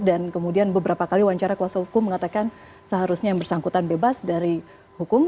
dan kemudian beberapa kali wawancara kuasa hukum mengatakan seharusnya yang bersangkutan bebas dari hukum